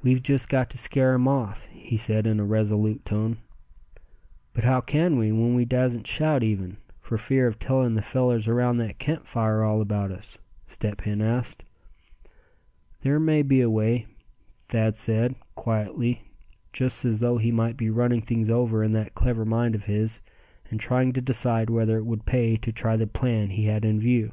"We've just got to scare him off," he said, in a resolute tone. "But how can we, when we dassn't shout even, for fear of telling the fellers around that camp fire all about us?" Step Hen asked. "There may be a way," Thad said, quietly, just as though he might be running things over in that clever mind of his, and trying to decide whether it would pay to try the plan he had in view.